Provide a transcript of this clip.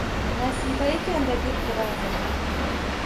– Nasiba ekan-da! – debdi vazir.